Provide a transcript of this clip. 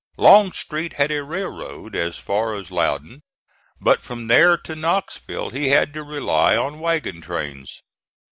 Longstreet had a railroad as far as Loudon; but from there to Knoxville he had to rely on wagon trains.